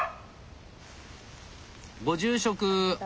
・ご住職！